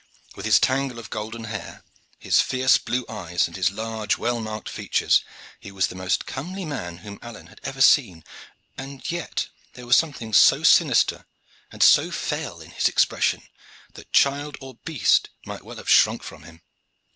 With his tangle of golden hair, his fierce blue eyes, and his large, well marked features, he was the most comely man whom Alleyne had ever seen, and yet there was something so sinister and so fell in his expression that child or beast might well have shrunk from him.